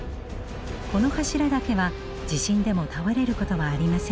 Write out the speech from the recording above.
この柱だけは地震でも倒れることはありませんでした。